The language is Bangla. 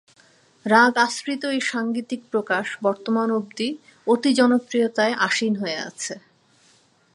রাগ আশ্রিত এই সাঙ্গীতিক প্রকাশ বর্তমান অব্দি অতি জনপ্রিয়তায় আসীন হয়ে আছে।